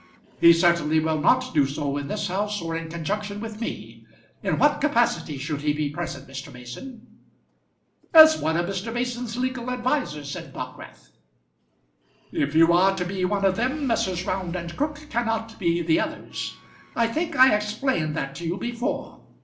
"He certainly will not do so in this house or in conjunction with me. In what capacity should he be present, Mr. Mason?" "As one of Mr. Mason's legal advisers," said Dockwrath. "If you are to be one of them, Messrs. Round and Crook cannot be the others. I think I explained that to you before.